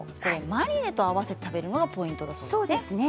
マリネと合わせて食べるのがポイントなんですね。